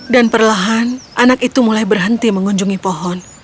dan perlahan anak itu mulai berhenti mengunjungi pohon